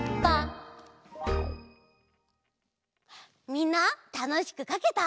みんなたのしくかけた？